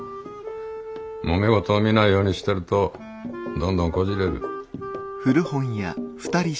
もめ事を見ないようにしてるとどんどんこじれる。